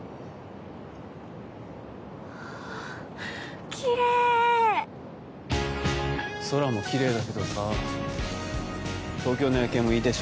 ああーきれい空もきれいだけどさ東京の夜景もいいでしょ？